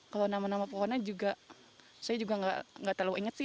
kalau nama nama pohonnya juga saya juga nggak terlalu ingat sih